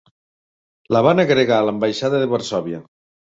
La van agregar a l'ambaixada de Varsòvia.